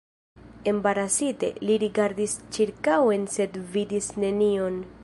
Embarasite, li rigardis ĉirkaŭen, sed vidis nenion.